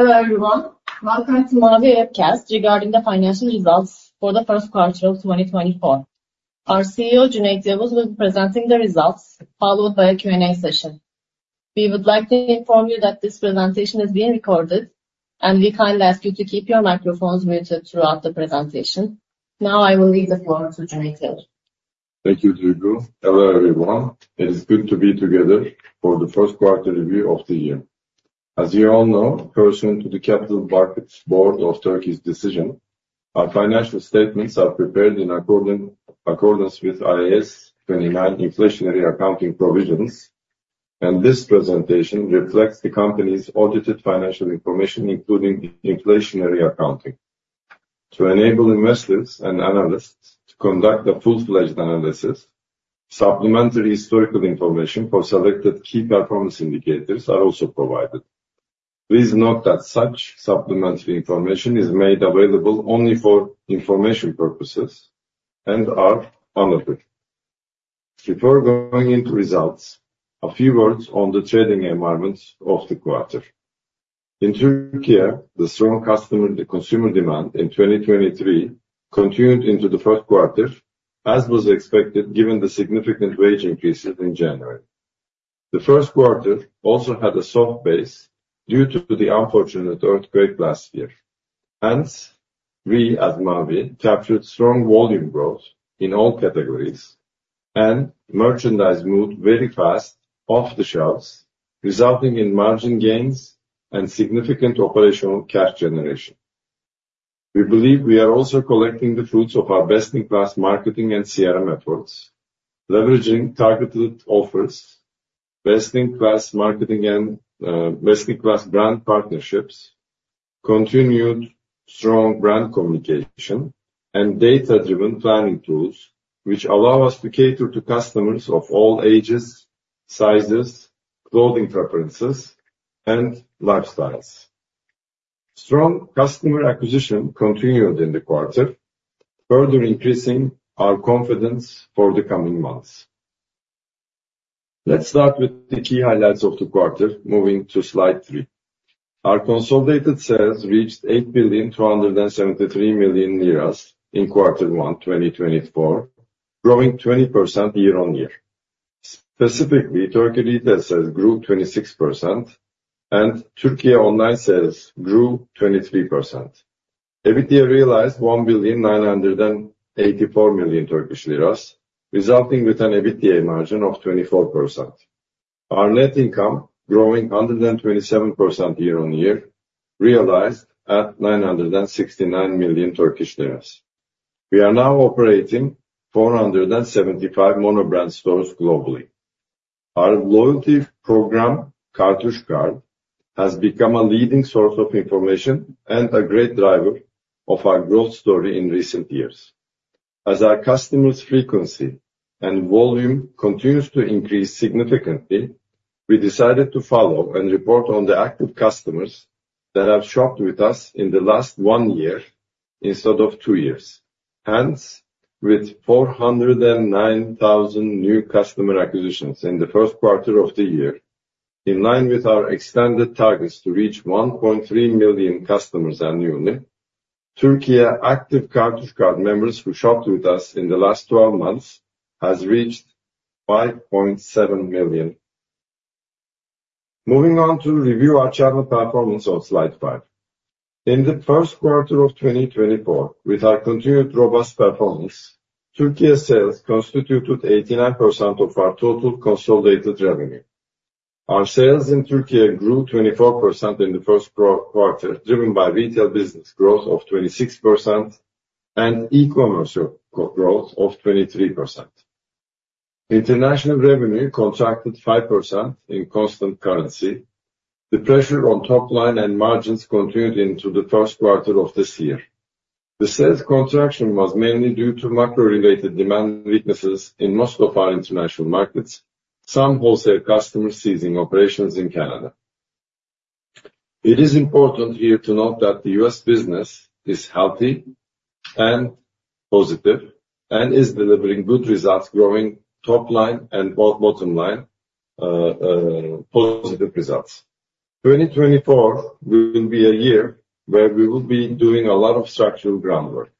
Hello, everyone. Welcome to Mavi Webcast regarding the financial results for the first quarter of 2024. Our CEO, Cüneyt Yavuz, will be presenting the results, followed by a Q&A session. We would like to inform you that this presentation is being recorded, and we kindly ask you to keep your microphones muted throughout the presentation. Now, I will leave the floor to Cüneyt Yavuz. Thank you, Duygu. Hello, everyone. It is good to be together for the first quarter review of the year. As you all know, pursuant to the Capital Markets Board of Turkey's decision, our financial statements are prepared in accordance with IAS 29 Inflationary Accounting Provisions, and this presentation reflects the company's audited financial information, including inflationary accounting. To enable investors and analysts to conduct a full-fledged analysis, supplementary historical information for selected key performance indicators are also provided. Please note that such supplementary information is made available only for information purposes and are unaudited. Before going into results, a few words on the trading environment of the quarter. In Turkey, the strong customer and consumer demand in 2023 continued into the first quarter, as was expected, given the significant wage increases in January. The first quarter also had a soft base due to the unfortunate earthquake last year. Hence, we, as Mavi, captured strong volume growth in all categories, and merchandise moved very fast off the shelves, resulting in margin gains and significant operational cash generation. We believe we are also collecting the fruits of our best-in-class marketing and CRM efforts, leveraging targeted offers, best-in-class marketing, and best-in-class brand partnerships, continued strong brand communication, and data-driven planning tools, which allow us to cater to customers of all ages, sizes, clothing preferences, and lifestyles. Strong customer acquisition continued in the quarter, further increasing our confidence for the coming months. Let's start with the key highlights of the quarter, moving to slide three. Our consolidated sales reached 8.273 billion lira in quarter one 2024, growing 20% year-on-year. Specifically, Turkey retail sales grew 26%, and Turkey online sales grew 23%. EBITDA realized 1,984 million Turkish lira, resulting with an EBITDA margin of 24%. Our net income, growing 127% year-on-year, realized at 969 million. We are now operating 475 monobrand stores globally. Our loyalty program, Kartuş Card, has become a leading source of information and a great driver of our growth story in recent years. As our customers' frequency and volume continues to increase significantly, we decided to follow and report on the active customers that have shopped with us in the last one year instead of two years. Hence, with 409,000 new customer acquisitions in the first quarter of the year, in line with our extended targets to reach 1.3 million customers annually, Turkey active Kartuş Card members who shopped with us in the last twelve months has reached 5.7 million. Moving on to review our channel performance on slide five. In the first quarter of 2024, with our continued robust performance, Turkey sales constituted 89% of our total consolidated revenue. Our sales in Turkey grew 24% in the first quarter, driven by retail business growth of 26% and e-commerce growth of 23%. International revenue contracted 5% in constant currency. The pressure on top line and margins continued into the first quarter of this year. The sales contraction was mainly due to macro-related demand weaknesses in most of our international markets, some wholesale customers ceasing operations in Canada. It is important here to note that the U.S. business is healthy and positive, and is delivering good results, growing top line and bottom line, positive results. 2024 will be a year where we will be doing a lot of structural groundwork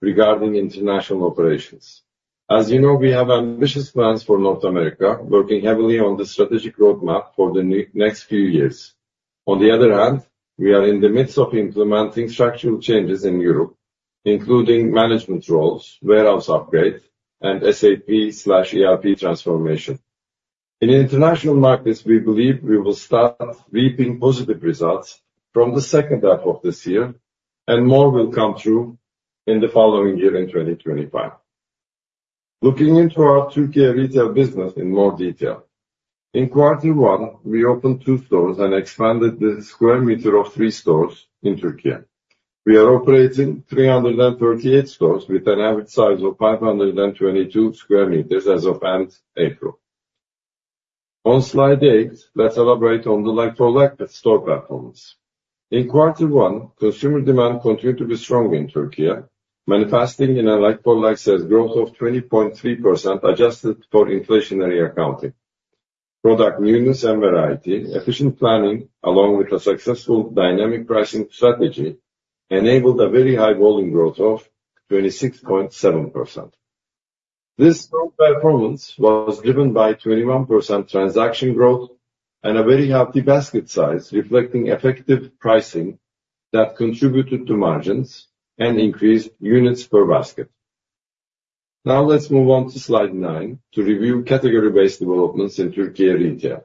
regarding international operations. As you know, we have ambitious plans for North America, working heavily on the strategic roadmap for the next few years. On the other hand, we are in the midst of implementing structural changes in Europe, including management roles, warehouse upgrade, and SAP/ERP transformation. In international markets, we believe we will start reaping positive results from the second half of this year, and more will come through in the following year, in 2025. Looking into our Turkey retail business in more detail. In quarter one, we opened 2 stores and expanded the square meter of 3 stores in Turkey. We are operating 338 stores with an average size of 522 square meters as of end April. On slide 8, let's elaborate on the like-for-like store performance. In quarter one, consumer demand continued to be strong in Turkey, manifesting in a like-for-like sales growth of 20.3%, adjusted for inflationary accounting.... Product newness and variety, efficient planning, along with a successful dynamic pricing strategy, enabled a very high volume growth of 26.7%. This strong performance was driven by 21% transaction growth and a very healthy basket size, reflecting effective pricing that contributed to margins and increased units per basket. Now, let's move on to slide 9 to review category-based developments in Turkey retail.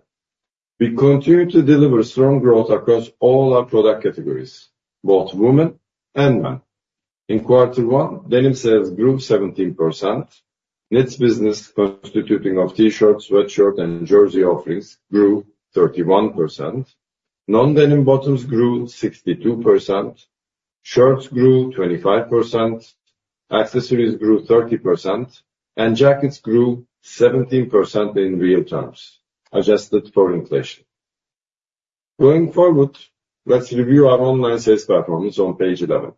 We continue to deliver strong growth across all our product categories, both women and men. In quarter one, denim sales grew 17%. Knits business, constituting of T-shirts, sweatshirt, and jersey offerings, grew 31%. Non-denim bottoms grew 62%, shirts grew 25%, accessories grew 30%, and jackets grew 17% in real terms, adjusted for inflation. Going forward, let's review our online sales performance on page 11.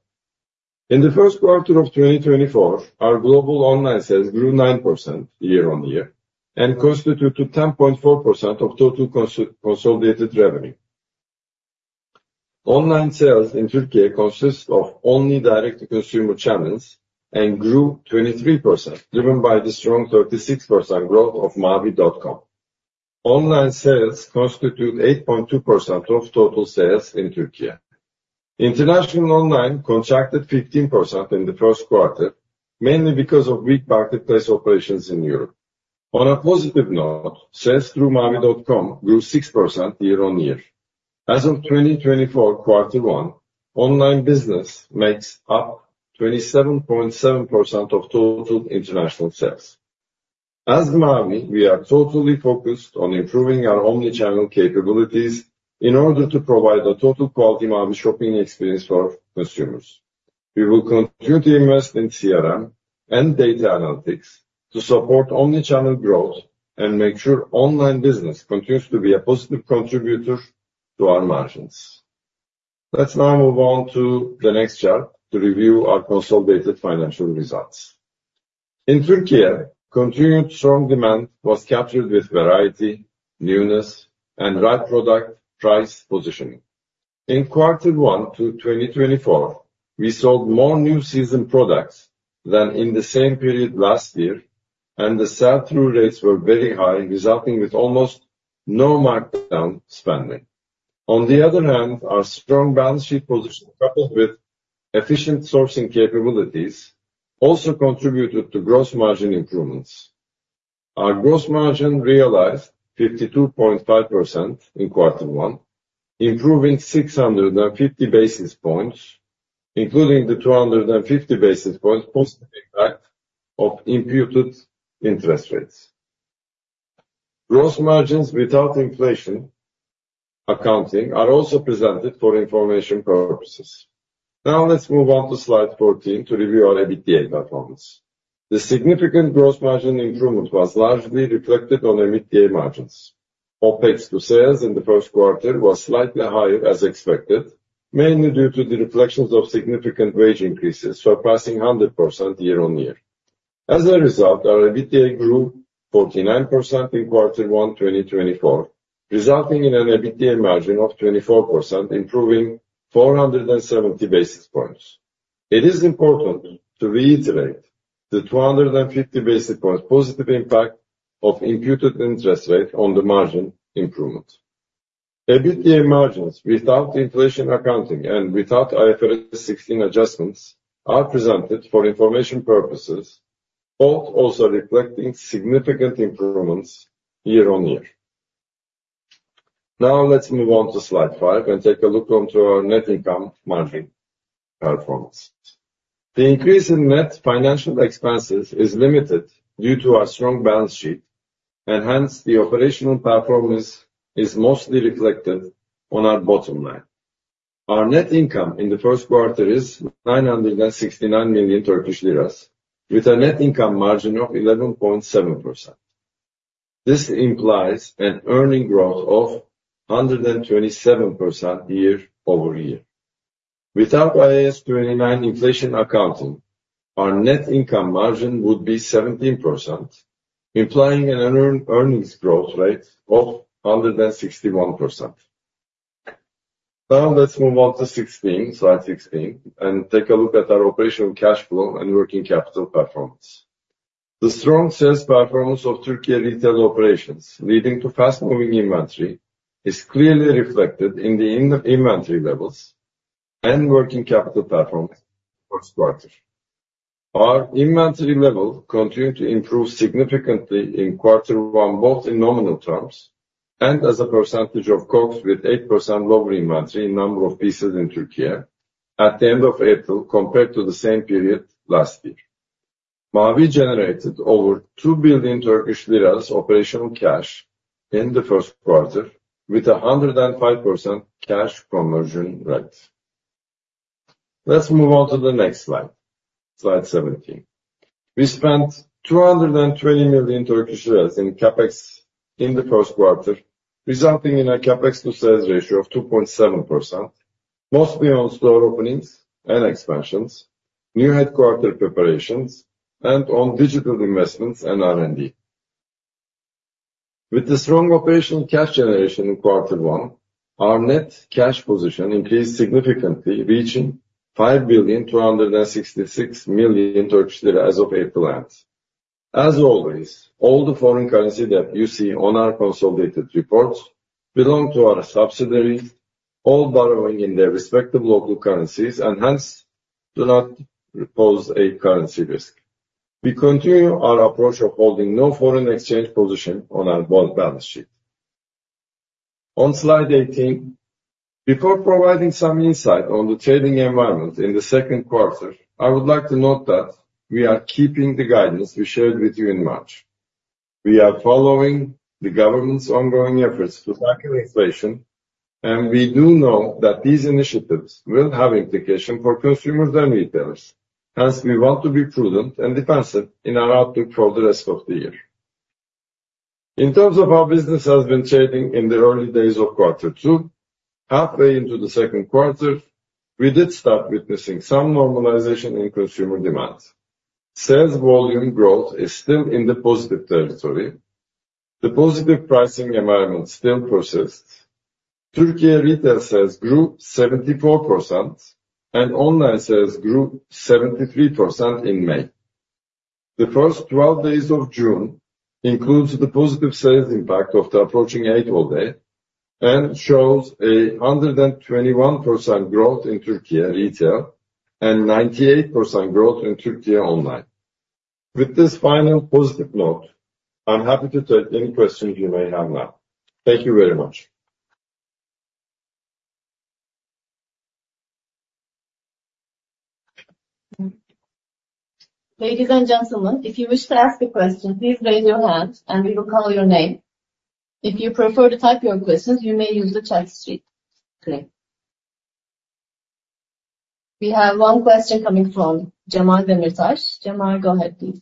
In the first quarter of 2024, our global online sales grew 9% year-on-year, and constitute to 10.4% of total consolidated revenue. Online sales in Turkey consists of only direct-to-consumer channels and grew 23%, driven by the strong 36% growth of mavi.com. Online sales constitute 8.2% of total sales in Turkey. International online contracted 15% in the first quarter, mainly because of weak marketplace operations in Europe. On a positive note, sales through mavi.com grew 6% year-on-year. As of 2024 quarter one, online business makes up 27.7% of total international sales. As Mavi, we are totally focused on improving our omni-channel capabilities in order to provide a total quality Mavi shopping experience for consumers. We will continue to invest in CRM and data analytics to support omni-channel growth, and make sure online business continues to be a positive contributor to our margins. Let's now move on to the next chart to review our consolidated financial results. In Turkey, continued strong demand was captured with variety, newness, and right product price positioning. In quarter one 2024, we sold more new season products than in the same period last year, and the sell-through rates were very high, resulting with almost no markdown spending. On the other hand, our strong balance sheet position, coupled with efficient sourcing capabilities, also contributed to gross margin improvements. Our gross margin realized 52.5% in quarter one, improving 650 basis points, including the 250 basis points positive impact of imputed interest rates. Gross margins without inflation accounting are also presented for information purposes. Now, let's move on to slide 14 to review our EBITDA performance. The significant gross margin improvement was largely reflected on EBITDA margins. OpEx to sales in the first quarter was slightly higher, as expected, mainly due to the reflections of significant wage increases, surpassing 100% year-on-year. As a result, our EBITDA grew 49% in quarter one, 2024, resulting in an EBITDA margin of 24%, improving 470 basis points. It is important to reiterate the 250 basis points positive impact of imputed interest rate on the margin improvement. EBITDA margins without inflation accounting and without IFRS 16 adjustments are presented for information purposes, both also reflecting significant improvements year-on-year. Now, let's move on to slide 5 and take a look onto our net income margin performance. The increase in net financial expenses is limited due to our strong balance sheet, and hence, the operational performance is mostly reflected on our bottom line. Our net income in the first quarter is 969 million Turkish lira, with a net income margin of 11.7%. This implies an earnings growth of 127% year-over-year. Without IAS 29 inflation accounting, our net income margin would be 17%, implying an earnings growth rate of 161%. Now, let's move on to 16, slide 16, and take a look at our operational cash flow and working capital performance. The strong sales performance of Turkey retail operations, leading to fast-moving inventory, is clearly reflected in the inventory levels and working capital performance first quarter. Our inventory level continued to improve significantly in quarter one, both in nominal terms and as a percentage of costs, with 8% lower inventory in number of pieces in Turkey at the end of April, compared to the same period last year. Mavi generated over 2 billion Turkish lira operational cash in the first quarter, with a 105% cash conversion rate. Let's move on to the next slide, slide 17. We spent 220 million Turkish lira in CapEx in the first quarter, resulting in a CapEx to sales ratio of 2.7%.... mostly on store openings and expansions, new headquarter preparations, and on digital investments and R&D. With the strong operational cash generation in quarter one, our net cash position increased significantly, reaching 5.266 billion Turkish lira as of April end. As always, all the foreign currency that you see on our consolidated reports belong to our subsidiaries, all borrowing in their respective local currencies, and hence, do not pose a currency risk. We continue our approach of holding no foreign exchange position on our bond balance sheet. On slide 18, before providing some insight on the trading environment in the second quarter, I would like to note that we are keeping the guidance we shared with you in March. We are following the government's ongoing efforts to tackle inflation, and we do know that these initiatives will have implication for consumers and retailers. Hence, we want to be prudent and defensive in our outlook for the rest of the year. In terms of our business has been trading in the early days of quarter two, halfway into the second quarter, we did start witnessing some normalization in consumer demand. Sales volume growth is still in the positive territory. The positive pricing environment still persists. Turkey retail sales grew 74%, and online sales grew 73% in May. The first 12 days of June includes the positive sales impact of the approaching Eid holiday, and shows a 121% growth in Turkey retail, and 98% growth in Turkey online. With this final positive note, I'm happy to take any questions you may have now. Thank you very much. Ladies and gentlemen, if you wish to ask a question, please raise your hand and we will call your name. If you prefer to type your questions, you may use the chat feature today. We have one question coming from Cemal Demirtaş. Cemal, go ahead, please.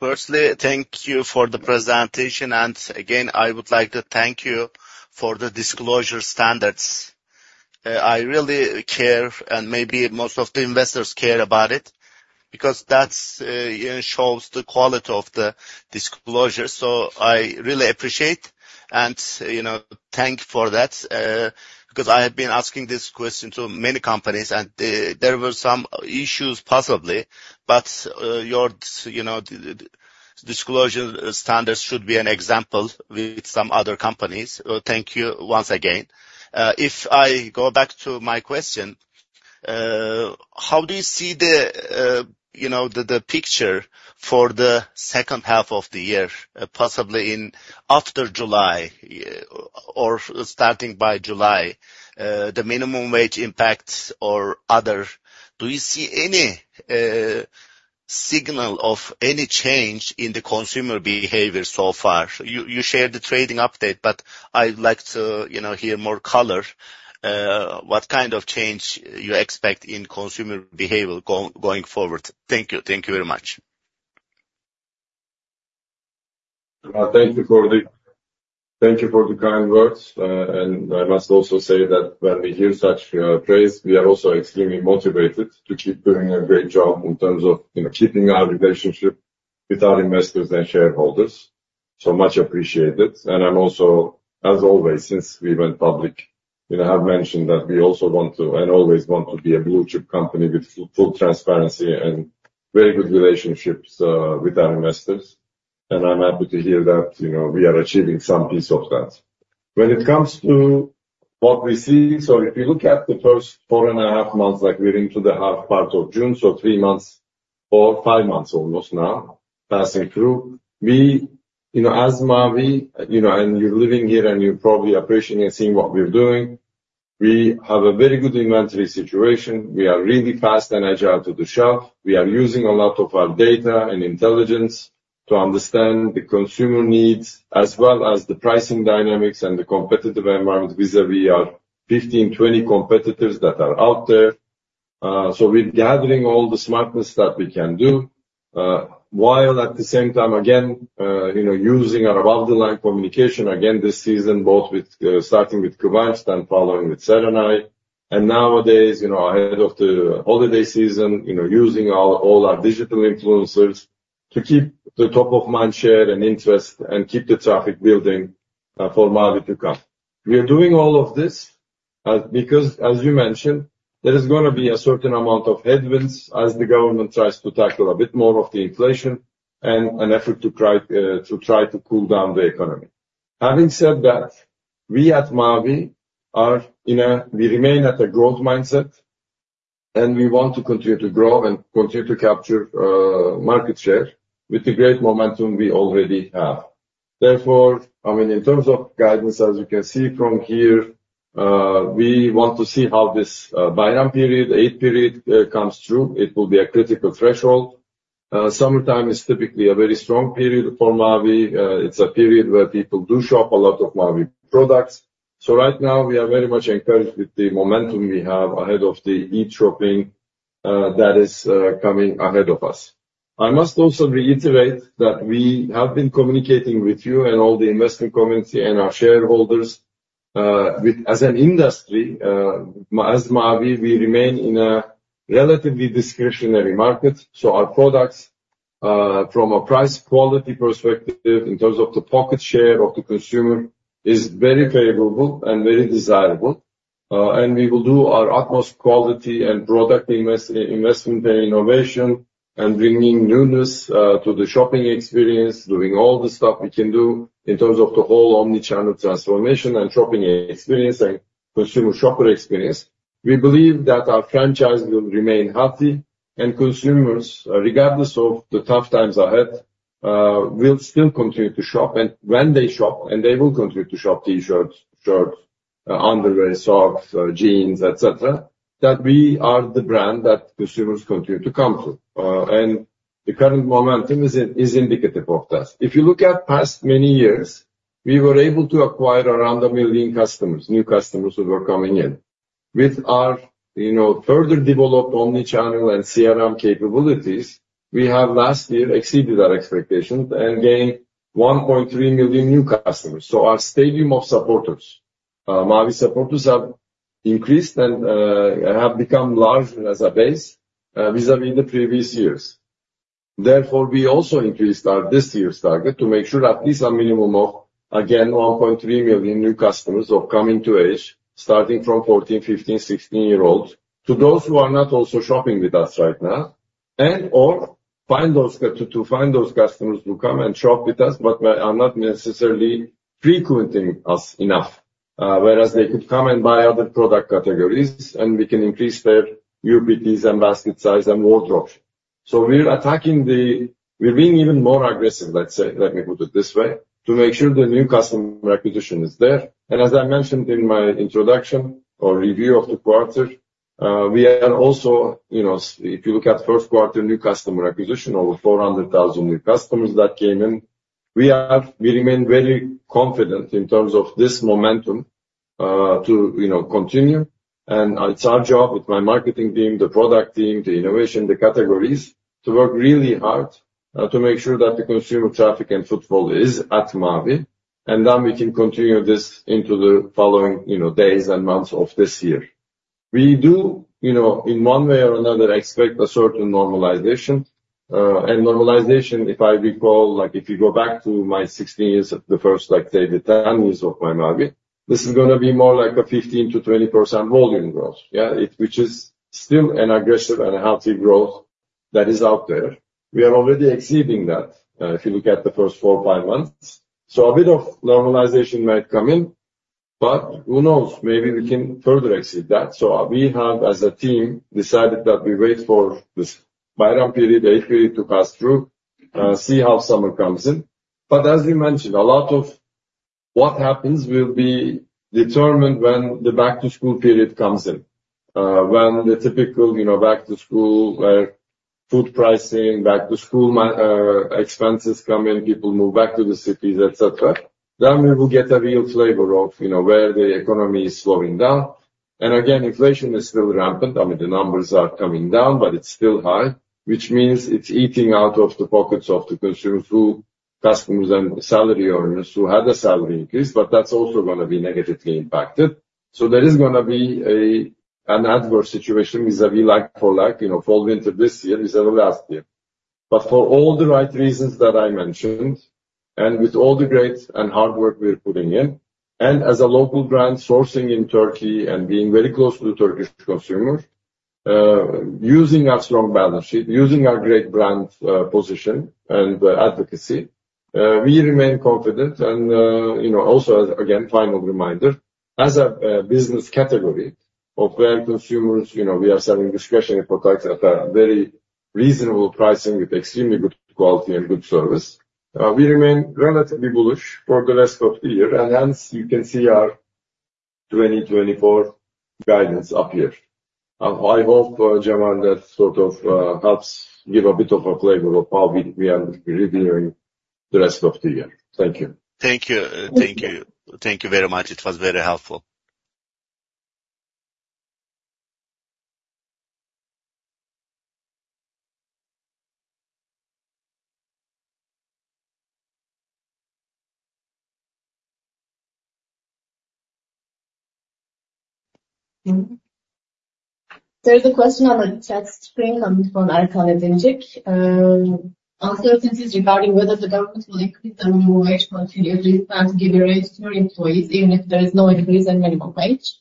Firstly, thank you for the presentation, and again, I would like to thank you for the disclosure standards. I really care, and maybe most of the investors care about it, because that ensures the quality of the disclosure. So I really appreciate, and, you know, thank you for that, because I have been asking this question to many companies, and there were some issues, possibly. But your, you know, disclosure standards should be an example with some other companies. Thank you once again. If I go back to my question, how do you see the, you know, the picture for the second half of the year, possibly after July, or starting by July? The minimum wage impacts or other, do you see any signal of any change in the consumer behavior so far? You shared the trading update, but I'd like to, you know, hear more color, what kind of change you expect in consumer behavior going forward? Thank you. Thank you very much. Thank you for the kind words. And I must also say that when we hear such praise, we are also extremely motivated to keep doing a great job in terms of, you know, keeping our relationship with our investors and shareholders. So much appreciated. And I'm also, as always, since we went public, you know, I have mentioned that we also want to and always want to be a blue-chip company with full transparency and very good relationships with our investors. And I'm happy to hear that, you know, we are achieving some piece of that. When it comes to what we see, so if you look at the first four and a half months, like we're into the half part of June, so three months or five months almost now, passing through, we, you know, as Mavi, you know, and you're living here and you're probably appreciating and seeing what we're doing, we have a very good inventory situation. We are really fast and agile to the shelf. We are using a lot of our data and intelligence to understand the consumer needs, as well as the pricing dynamics and the competitive environment vis-a-vis our 15, 20 competitors that are out there. So we're gathering all the smartness that we can do, while at the same time, again, you know, using our above-the-line communication, again this season, both with, starting with Kıvanç, then following with Serenay. Nowadays, you know, ahead of the holiday season, you know, using all our digital influencers to keep the top of mind share and interest and keep the traffic building for Mavi to come. We are doing all of this because as you mentioned, there is gonna be a certain amount of headwinds as the government tries to tackle a bit more of the inflation and an effort to try to cool down the economy. Having said that, we at Mavi remain at a growth mindset, and we want to continue to grow and continue to capture market share with the great momentum we already have. Therefore, I mean, in terms of guidance, as you can see from here, we want to see how this Bayram period, Eid period comes through. It will be a critical threshold. Summertime is typically a very strong period for Mavi. It's a period where people do shop a lot of Mavi products. So right now, we are very much encouraged with the momentum we have ahead of the Eid shopping that is coming ahead of us. I must also reiterate that we have been communicating with you and all the investment community and our shareholders, with as an industry, as Mavi, we remain in a relatively discretionary market. So our products, from a price-quality perspective, in terms of the pocket share of the consumer, is very favorable and very desirable. And we will do our utmost quality and product investment and innovation, and bringing newness to the shopping experience, doing all the stuff we can do in terms of the whole omni-channel transformation and shopping experience and consumer shopper experience. We believe that our franchise will remain healthy and consumers, regardless of the tough times ahead, will still continue to shop. And when they shop, and they will continue to shop T-shirts, shirts, underwear, socks, jeans, et cetera, that we are the brand that consumers continue to come to. And the current momentum is indicative of that. If you look at past many years, we were able to acquire around 1 million customers, new customers who were coming in. With our, you know, further developed omni-channel and CRM capabilities, we have last year exceeded our expectations and gained 1.3 million new customers. So our stadium of supporters, Mavi supporters have increased and have become larger as a base, vis-à-vis the previous years. Therefore, we also increased our this year's target to make sure at least a minimum of, again, 1.3 million new customers of coming to age, starting from 14, 15, 16 year old, to those who are not also shopping with us right now, and/or find those customers who come and shop with us but are not necessarily frequenting us enough. Whereas they could come and buy other product categories, and we can increase their UPTs and basket size and wardrobes. So we're attacking the... We're being even more aggressive, let's say, let me put it this way, to make sure the new customer acquisition is there. And as I mentioned in my introduction or review of the quarter, we are also, you know, if you look at first quarter, new customer acquisition, over 400,000 new customers that came in. We remain very confident in terms of this momentum to, you know, continue. And it's our job with my marketing team, the product team, the innovation, the categories, to work really hard to make sure that the consumer traffic and footfall is at Mavi, and then we can continue this into the following, you know, days and months of this year. We do, you know, in one way or another, expect a certain normalization. And normalization, if I recall, like, if you go back to my 16 years of the first, like, say, the 10 years of my Mavi, this is gonna be more like a 15%-20% volume growth, yeah, which is still an aggressive and healthy growth that is out there. We are already exceeding that, if you look at the first 4, 5 months. So a bit of normalization might come in, but who knows? Maybe we can further exceed that. So we have, as a team, decided that we wait for this Bayram period, Eid period to pass through, see how summer comes in. But as you mentioned, a lot of what happens will be determined when the back-to-school period comes in. When the typical, you know, back-to-school, food pricing, back-to-school expenses come in, people move back to the cities, et cetera, then we will get a real flavor of, you know, where the economy is slowing down. Again, inflation is still rampant. I mean, the numbers are coming down, but it's still high, which means it's eating out of the pockets of the consumers who customers and salary earners who had a salary increase, but that's also gonna be negatively impacted. So there is gonna be an adverse situation vis-à-vis like-for-like, you know, fall, winter this year, vis-à-vis last year. But for all the right reasons that I mentioned, and with all the great and hard work we're putting in, and as a local brand sourcing in Turkey and being very close to the Turkish consumer, using our strong balance sheet, using our great brand, position and advocacy, we remain confident. And, you know, also, again, final reminder, as a, a business category of where consumers, you know, we are selling discretionary products at a very reasonable pricing with extremely good quality and good service, we remain relatively bullish for the rest of the year, and hence you can see our 2024 guidance up here. I hope, Cemal, that sort of helps give a bit of a flavor of how we, we are reviewing the rest of the year. Thank you. Thank you. Thank you. Thank you very much. It was very helpful. There's a question on the chat screen coming from Erkan Edincik. Uncertainties regarding whether the government will increase the minimum wage continuously and give a raise to your employees, even if there is no increase in minimum wage?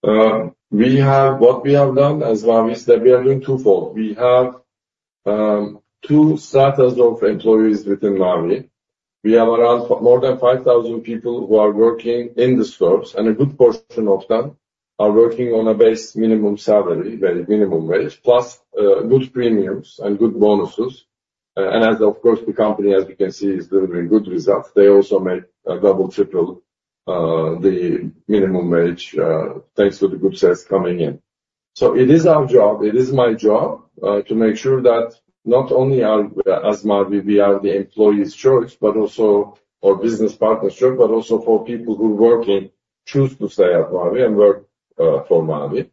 What we have done as well is that we are doing twofold. We have two status of employees within Mavi. We have around more than 5,000 people who are working in the stores, and a good portion of them are working on a base minimum salary, very minimum wage, plus good premiums and good bonuses. And as of course, the company, as you can see, is delivering good results. They also make a double, triple the minimum wage thanks to the good sales coming in. So it is our job, it is my job, to make sure that not only are we, as Mavi, we are the employees' choice, but also our business partners' choice, but also for people who choose to stay at Mavi and work for Mavi.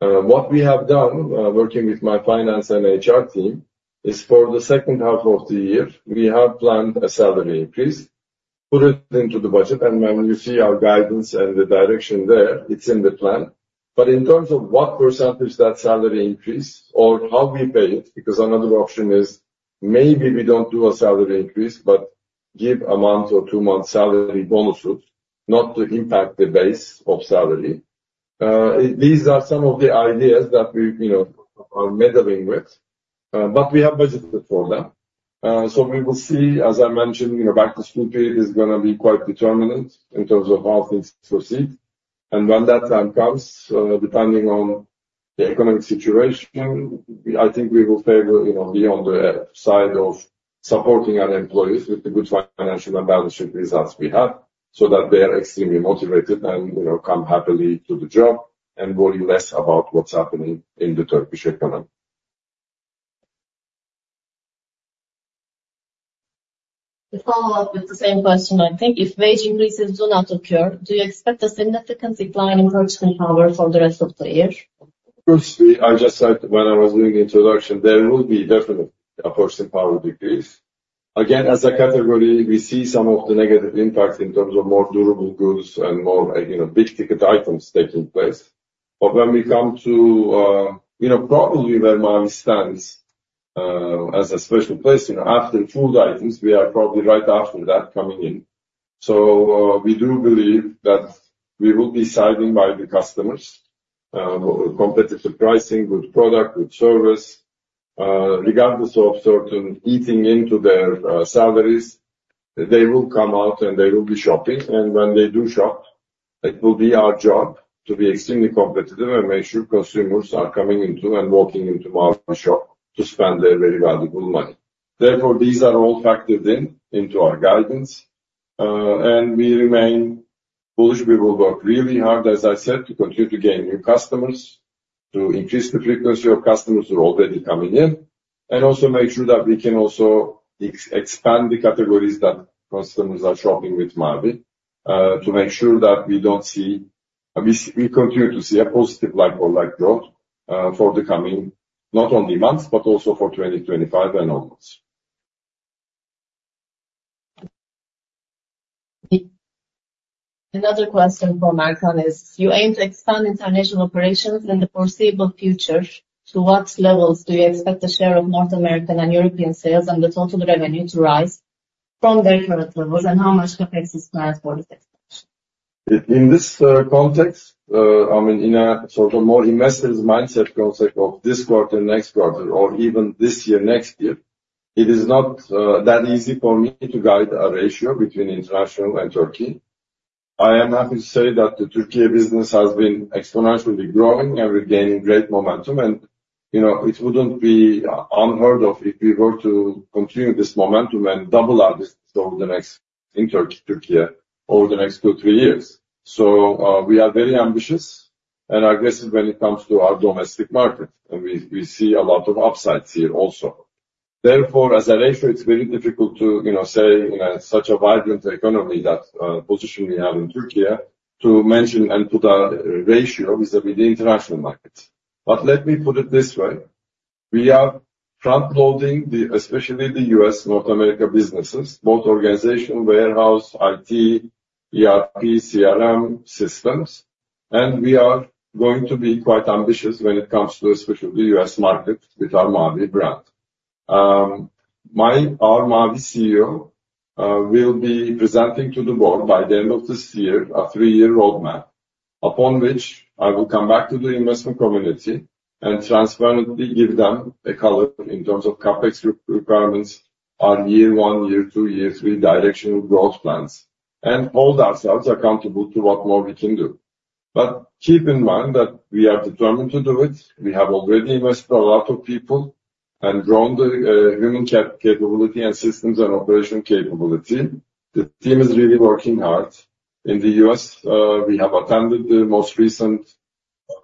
What we have done, working with my finance and HR team, is for the second half of the year, we have planned a salary increase, put it into the budget, and when you see our guidance and the direction there, it's in the plan. But in terms of what percentage that salary increase or how we pay it, because another option is maybe we don't do a salary increase, but give a month or two months' salary bonuses, not to impact the base of salary. These are some of the ideas that we, you know, are meddling with, but we have budgeted for them. So we will see, as I mentioned, you know, back-to-school period is gonna be quite determinant in terms of how things proceed. And when that time comes, depending on the economic situation, we... I think we will favor, you know, be on the side of supporting our employees with the good financial and balance sheet results we have, so that they are extremely motivated and, you know, come happily to the job and worry less about what's happening in the Turkish economy. To follow up with the same question, I think if wage increases do not occur, do you expect a significant decline in purchasing power for the rest of the year? Firstly, I just said when I was doing the introduction, there will be definitely a purchasing power decrease. Again, as a category, we see some of the negative impacts in terms of more durable goods and more, you know, big-ticket items taking place. But when we come to, you know, probably where Mavi stands, as a special place, you know, after food items, we are probably right after that coming in. So, we do believe that we will be siding by the customers, competitive pricing, good product, good service. Regardless of certain eating into their, salaries, they will come out, and they will be shopping, and when they do shop, it will be our job to be extremely competitive and make sure consumers are coming into and walking into our shop to spend their very valuable money. Therefore, these are all factored in into our guidance, and we remain bullish. We will work really hard, as I said, to continue to gain new customers, to increase the frequency of customers who are already coming in, and also make sure that we can also expand the categories that customers are shopping with Mavi, to make sure that we don't see... We continue to see a positive like-for-like growth, for the coming, not only months, but also for 2025 and onwards. Another question from Erkan is: You aim to expand international operations in the foreseeable future. To what levels do you expect the share of North American and European sales and the total revenue to rise from their current levels, and how much CapEx is planned for this expansion? In this context, I mean, in a sort of more investors mindset concept of this quarter, next quarter, or even this year, next year, it is not that easy for me to guide a ratio between international and Turkey. I am happy to say that the Turkey business has been exponentially growing and regaining great momentum, and, you know, it wouldn't be unheard of if we were to continue this momentum and double our business over the next in Turkey over the next two, three years. So, we are very ambitious and aggressive when it comes to our domestic market, and we see a lot of upsides here also. Therefore, as a ratio, it's very difficult to, you know, say, in such a vibrant economy that position we have in Turkey, to mention and put a ratio with the, with the international markets. But let me put it this way: We are front-loading the, especially the US, North America, businesses, both organization, warehouse, IT, ERP, CRM systems, and we are going to be quite ambitious when it comes to especially US market with our Mavi brand. Our Mavi CEO will be presenting to the board by the end of this year, a three-year roadmap, upon which I will come back to the investment community and transparently give them a color in terms of CapEx requirements on year one, year two, year three directional growth plans, and hold ourselves accountable to what more we can do. But keep in mind that we are determined to do it. We have already invested a lot of people and grown the human capability and systems and operation capability. The team is really working hard. In the US, we have attended the most recent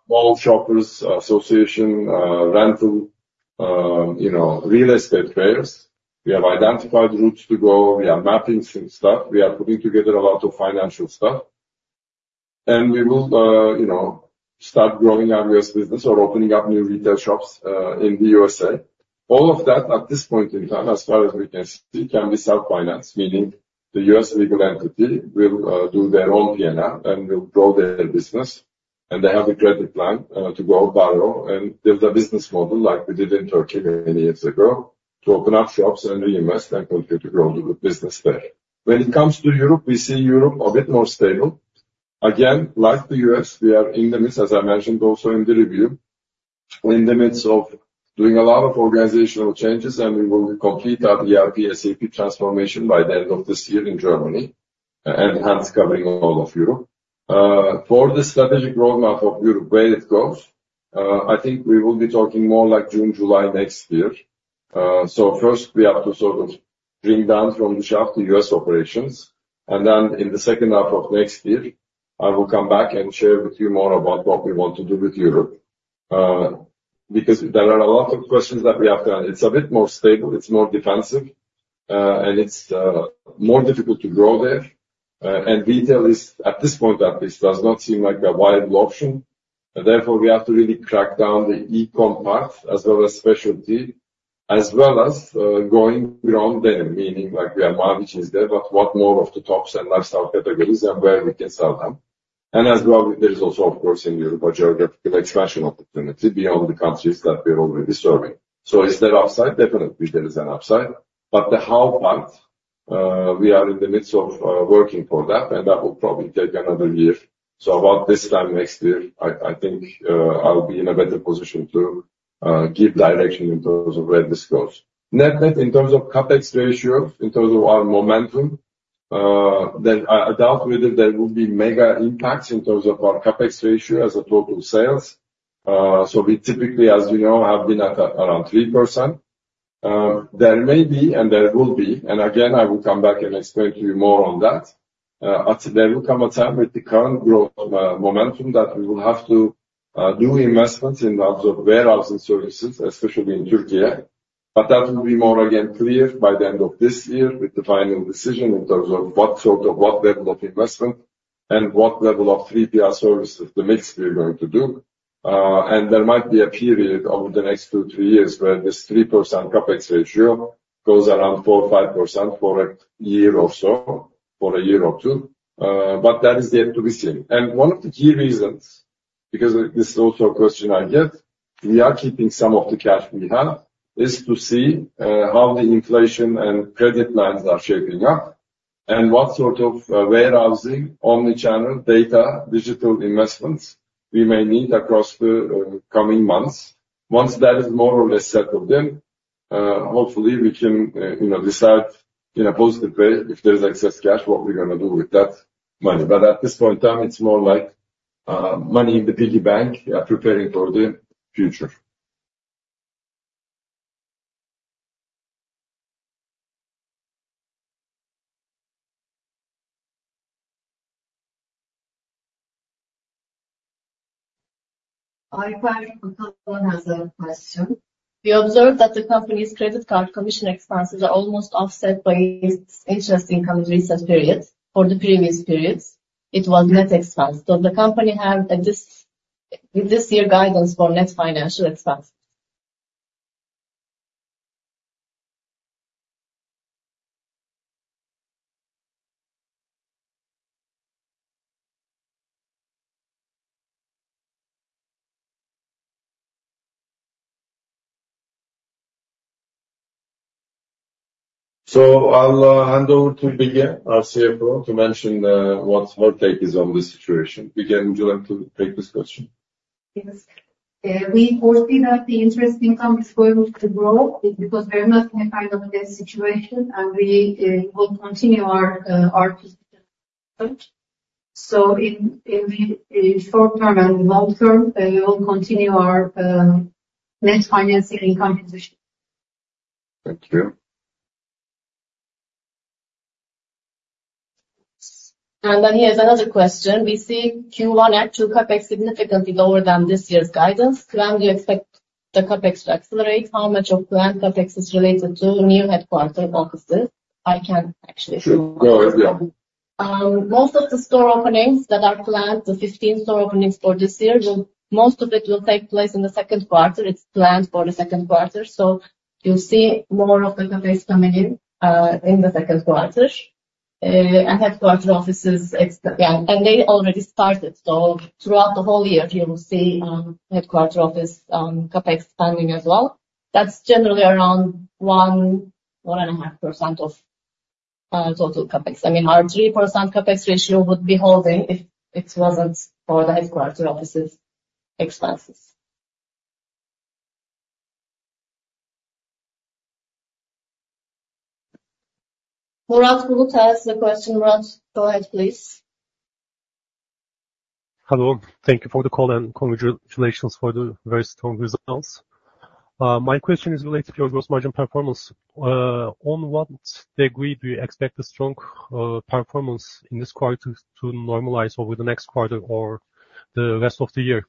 mall shoppers association rental, you know, real estate fairs. We have identified routes to go. We are mapping some stuff. We are putting together a lot of financial stuff. And we will, you know, start growing our US business or opening up new retail shops in the USA. All of that, at this point in time, as far as we can see, can be self-financed, meaning the US legal entity will do their own P&L and will grow their business, and they have a credit plan to go borrow. There's a business model like we did in Turkey many years ago, to open up shops and reinvest and continue to grow the business there. When it comes to Europe, we see Europe a bit more stable. Again, like the US, we are in the midst, as I mentioned also in the review, in the midst of doing a lot of organizational changes, and we will complete our ERP SAP transformation by the end of this year in Germany, and hence covering all of Europe. For the strategic roadmap of Europe, where it goes, I think we will be talking more like June, July next year. So first we have to sort of bring down from the shelf the U.S. operations, and then in the second half of next year, I will come back and share with you more about what we want to do with Europe. Because there are a lot of questions that we have to ask. It's a bit more stable, it's more defensive-... and it's more difficult to grow there. And retail is, at this point at least, does not seem like a viable option, and therefore we have to really crack down the e-com part as well as specialty, as well as going ground denim. Meaning, like, our margin is there, but what more of the tops and lifestyle categories and where we can sell them? And as well, there is also, of course, in Europe, a geographical expansion opportunity beyond the countries that we're already serving. So is there upside? Definitely, there is an upside. But the how part, we are in the midst of working for that, and that will probably take another year. So about this time next year, I, I think, I'll be in a better position to give direction in terms of where this goes. Net net, in terms of CapEx ratio, in terms of our momentum, then I, I doubt whether there will be mega impacts in terms of our CapEx ratio as a total sales. So we typically, as you know, have been at around 3%. There may be and there will be, and again, I will come back and explain to you more on that. But there will come a time with the current growth momentum that we will have to do investments in terms of warehousing services, especially in Türkiye. But that will be more again clear by the end of this year with the final decision in terms of what level of investment and what level of 3PL services, the mix we're going to do. And there might be a period over the next two, three years where this 3% CapEx ratio goes around 4%-5% for a year or so, for a year or two. But that is yet to be seen. One of the key reasons, because this is also a question I get, we are keeping some of the cash we have, is to see how the inflation and credit lines are shaping up, and what sort of warehousing, omni-channel, data, digital investments we may need across the coming months. Once that is more or less settled, then hopefully we can, you know, decide in a positive way, if there's excess cash, what we're gonna do with that money. But at this point in time, it's more like money in the piggy bank. We are preparing for the future. I think Michaela has a question. We observed that the company's credit card commission expenses are almost offset by its interest income recent periods. For the previous periods, it was net expense. Does the company have this year guidance for net financial expense? So I'll hand over to Bige, our CFO, to mention what her take is on this situation. Bige, would you like to take this question? Yes. We foresee that the interest income is going to grow because we're not in a final debt situation, and we will continue our position. So in the short term and long term, we will continue our net financing income position. Thank you. And then here's another question: We see Q1 and Q2 CapEx significantly lower than this year's guidance. When do you expect the CapEx to accelerate? How much of planned CapEx is related to new headquarter offices? I can actually answer. Sure, go ahead, yeah. Most of the store openings that are planned, the 15 store openings for this year, will most of it take place in the second quarter. It's planned for the second quarter, so you'll see more of the CapEx coming in in the second quarter. And headquarter offices, and they already started. So throughout the whole year, you will see headquarter office CapEx spending as well. That's generally around 1-1.5% of total CapEx. I mean, our 3% CapEx ratio would be holding if it wasn't for the headquarter offices expenses. Murat Gül has the question. Murat, go ahead, please. Hello. Thank you for the call and congratulations for the very strong results. My question is related to your gross margin performance. On what degree do you expect the strong performance in this quarter to normalize over the next quarter or the rest of the year?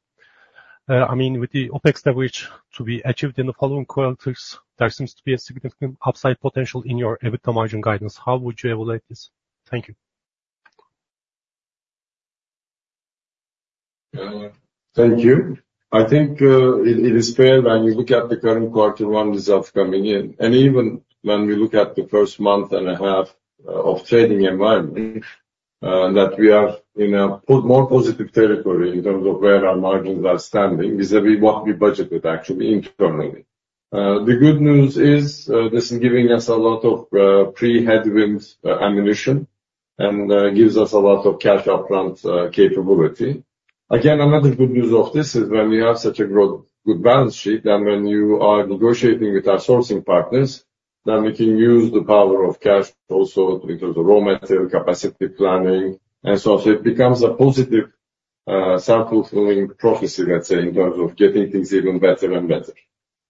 I mean with the OpEx leverage to be achieved in the following quarters, there seems to be a significant upside potential in your EBITDA margin guidance. How would you evaluate this? Thank you. Thank you. I think it is fair when you look at the current quarter one results coming in, and even when we look at the first month and a half of trading environment, that we are in a more positive territory in terms of where our margins are standing, vis-a-vis what we budgeted, actually, internally. The good news is, this is giving us a lot of pre-headwinds ammunition and gives us a lot of cash upfront capability. Again, another good news of this is when you have such a good, good balance sheet, then when you are negotiating with our sourcing partners, then we can use the power of cash also in terms of raw material, capacity planning, and so on. So it becomes a positive self-fulfilling prophecy, let's say, in terms of getting things even better and better.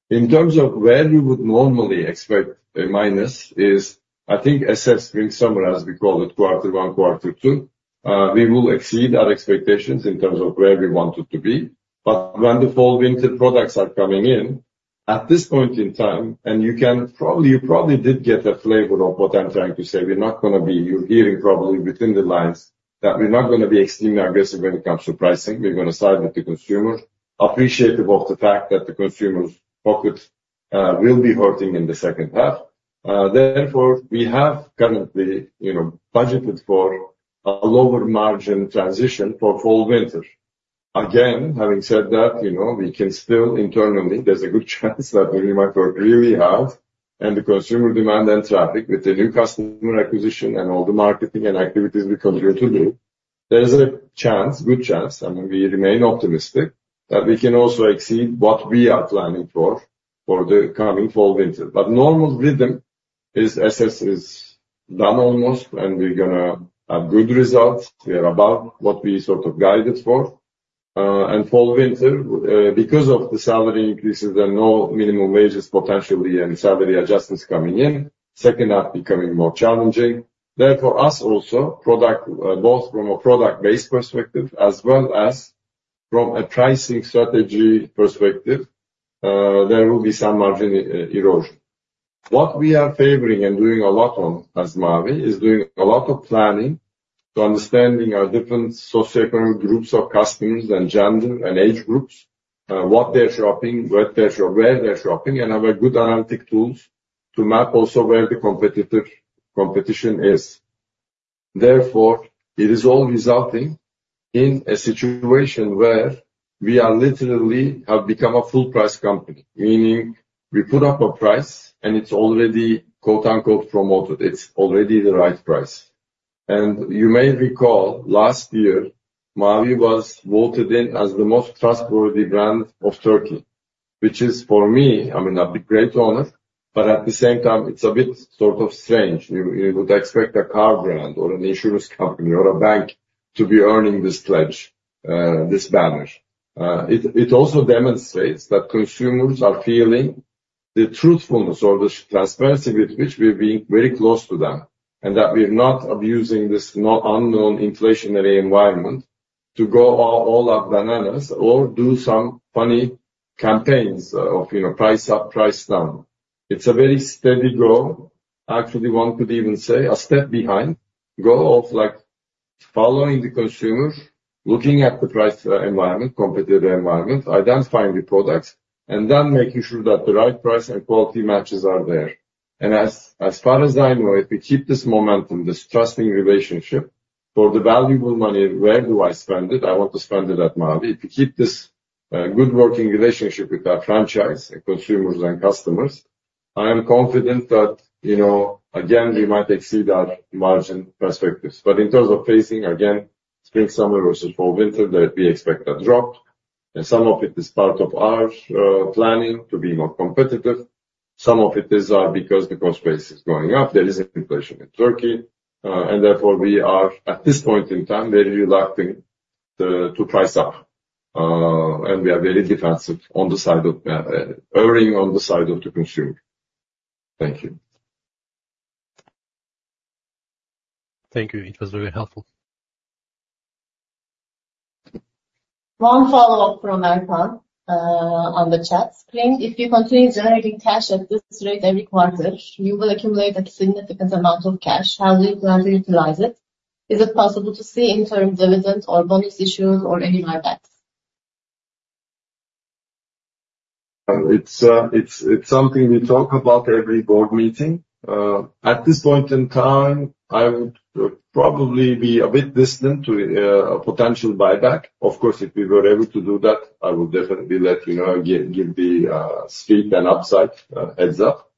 In terms of where you would normally expect a minus is, I think, S/S spring, summer, as we call it, quarter one, quarter two. We will exceed our expectations in terms of where we want it to be. But when the fall/winter products are coming in, at this point in time, and you probably did get a flavor of what I'm trying to say. We're not gonna be. You're hearing probably within the lines, that we're not gonna be extremely aggressive when it comes to pricing. We're gonna side with the consumer, appreciative of the fact that the consumer's pocket will be hurting in the second half. Therefore, we have currently, you know, budgeted for a lower margin transition for fall/winter. Again, having said that, you know, we can still internally, there's a good chance that we might work really hard, and the consumer demand and traffic with the new customer acquisition and all the marketing and activities we continue to do, there is a chance, good chance, and we remain optimistic, that we can also exceed what we are planning for, for the coming fall/winter. But normal rhythm is SS is done almost, and we're gonna have good results. We are above what we sort of guided for. And fall/winter, because of the salary increases and no minimum wages potentially, and salary adjustments coming in, second half becoming more challenging. Therefore, us also, product, both from a product-based perspective as well as from a pricing strategy perspective, there will be some margin erosion. What we are favoring and doing a lot on as Mavi is doing a lot of planning to understanding our different socioeconomic groups of customers and gender and age groups, what they're shopping, where they're shopping, and have a good analytical tools to map also where the competitor, competition is. Therefore, it is all resulting in a situation where we are literally have become a full price company, meaning we put up a price, and it's already, quote, unquote, promoted. It's already the right price. And you may recall, last year, Mavi was voted in as the most trustworthy brand of Turkey, which is for me, I mean, a big, great honor, but at the same time, it's a bit sort of strange. You would expect a car brand or an insurance company or a bank to be earning this pledge, this banner. It also demonstrates that consumers are feeling the truthfulness or the transparency with which we're being very close to them, and that we're not abusing this unknown inflationary environment to go all bananas or do some funny campaigns, you know, price up, price down. It's a very steady grow. Actually, one could even say a step behind, grow of like, following the consumer, looking at the price environment, competitive environment, identifying the products, and then making sure that the right price and quality matches are there. And as far as I know, if we keep this momentum, this trusting relationship for the valuable money, where do I spend it? I want to spend it at Mavi. If we keep this, good working relationship with our franchise and consumers and customers, I am confident that, you know, again, we might exceed our margin perspectives. But in terms of pacing, again, spring, summer versus fall, winter, that we expect a drop, and some of it is part of our, planning to be more competitive. Some of it is, because the cost base is going up. There is inflation in Turkey, and therefore we are, at this point in time, very reluctant to price up. And we are very defensive on the side of, erring on the side of the consumer. Thank you. Thank you. It was very helpful. One follow-up from Erkan on the chat screen: If you continue generating cash at this rate every quarter, you will accumulate a significant amount of cash. How do you plan to utilize it? Is it possible to see interim dividends or bonus issues or any buybacks? It's something we talk about every board meeting. At this point in time, I would probably be a bit distant to a potential buyback. Of course, if we were able to do that, I would definitely let you know, give the speed and upside heads-up.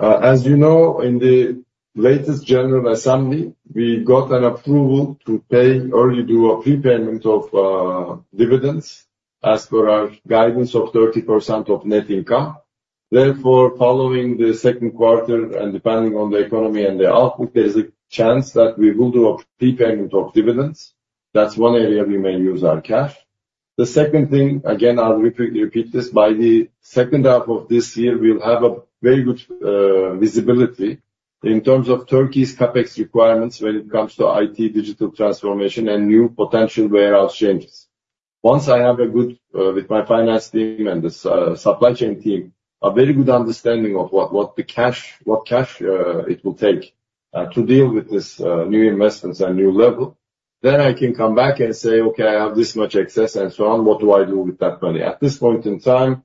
As you know, in the latest general assembly, we got an approval to pay or really do a prepayment of dividends as per our guidance of 30% of net income. Therefore, following the second quarter and depending on the economy and the output, there's a chance that we will do a prepayment of dividends. That's one area we may use our cash. The second thing, again, I'll repeat this, by the second half of this year, we'll have a very good visibility in terms of Turkey's CapEx requirements when it comes to IT, digital transformation and new potential warehouse changes. Once I have a good with my finance team and the supply chain team, a very good understanding of what the cash it will take to deal with this new investments and new level, then I can come back and say, "Okay, I have this much excess," and so on. "What do I do with that money?" At this point in time,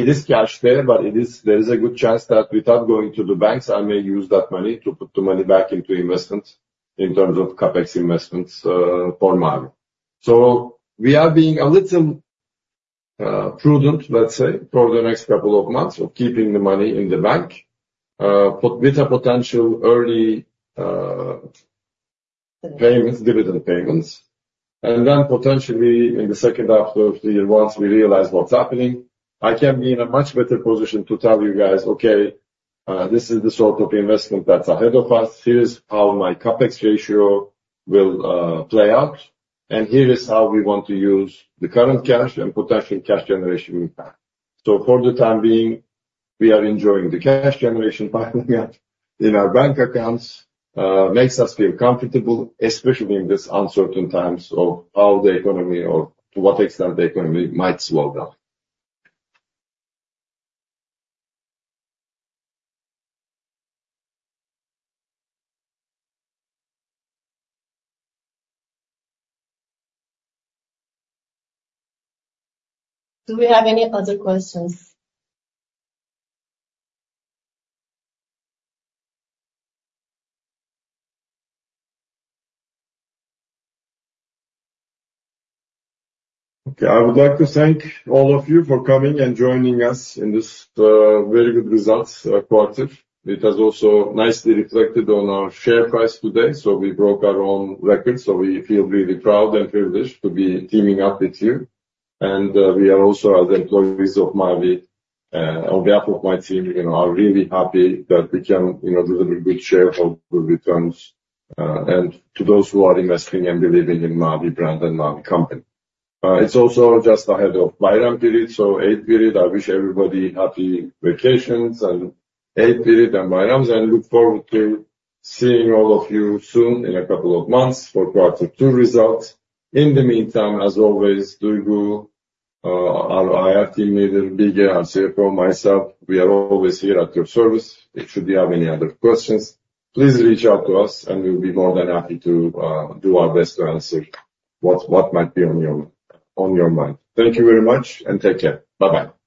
it is cash there, but it is... There is a good chance that without going to the banks, I may use that money to put the money back into investments in terms of CapEx investments for Mavi. So we are being a little prudent, let's say, for the next couple of months of keeping the money in the bank with a potential early payments, dividend payments. And then potentially in the second half of the year, once we realize what's happening, I can be in a much better position to tell you guys, "Okay, this is the sort of investment that's ahead of us. Here's how my CapEx ratio will play out, and here is how we want to use the current cash and potential cash generation impact." So for the time being, we are enjoying the cash generation pipeline we have in our bank accounts. Makes us feel comfortable, especially in this uncertain times of how the economy or to what extent the economy might slow down. Do we have any other questions? Okay. I would like to thank all of you for coming and joining us in this, very good results quarter. It has also nicely reflected on our share price today, so we broke our own record. So we feel really proud and privileged to be teaming up with you. And, we are also, as employees of Mavi, on behalf of my team, you know, are really happy that we can, you know, deliver good shareholder returns, and to those who are investing and believing in Mavi brand and Mavi company. It's also just ahead of Bayram period, so Eid period. I wish everybody happy vacations and Eid period and Bayrams, and I look forward to seeing all of you soon in a couple of months for quarter two results. In the meantime, as always, Duygu, our IR team leader, Bige, our CFO, myself, we are always here at your service. If you should have any other questions, please reach out to us, and we'll be more than happy to do our best to answer what might be on your mind. Thank you very much, and take care. Bye-bye.